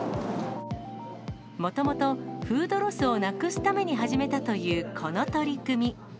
もともとフードロスをなくすために始めたというこの取り組み。